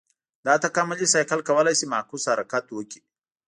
دا تکاملي سایکل کولای شي معکوس حرکت وکړي.